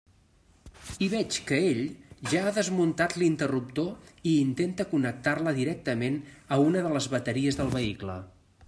I veig que ell ja ha desmuntat l'interruptor i intenta connectar-la directament a una de les bateries del vehicle.